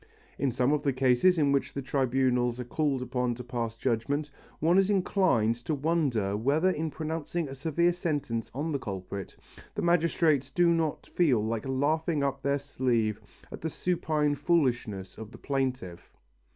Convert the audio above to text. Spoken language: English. In some of the cases in which the tribunals are called upon to pass judgment, one is inclined to wonder whether in pronouncing a severe sentence on the culprit, the magistrates do not feel like laughing up their sleeve at the supine foolishness of the plaintiff.